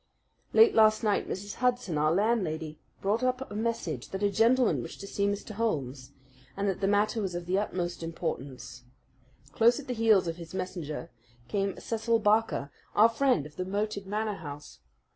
Late last night Mrs. Hudson, our landlady, brought up a message that a gentleman wished to see Mr. Holmes, and that the matter was of the utmost importance. Close at the heels of his messenger came Cecil Barker, our friend of the moated Manor House.